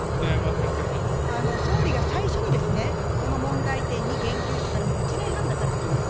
総理が最初にこの問題点に言及してから、もう１年半がたっています。